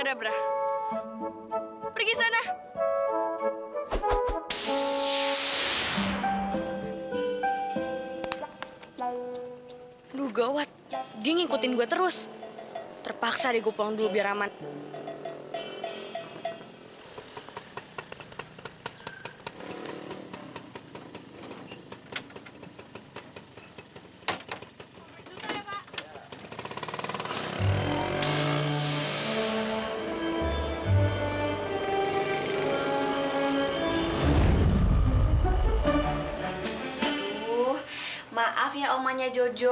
sampai jumpa di video selanjutnya